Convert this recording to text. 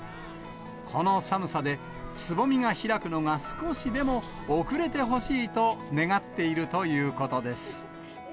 この寒さで、つぼみが開くのが少しでも遅れてほしいと願っているということです。